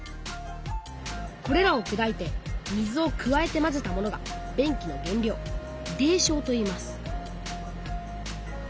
これらをくだいて水を加えてまぜたものが便器の原料泥しょうといいます